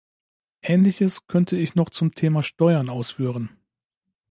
Ähnliches könnte ich noch zum Thema Steuern ausführen.